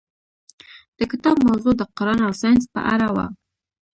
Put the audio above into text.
د کتاب موضوع د قرآن او ساینس په اړه وه.